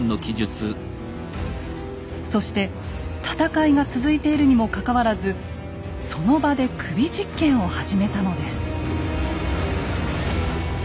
そして戦いが続いているにもかかわらずその場で首実検を始めたのです。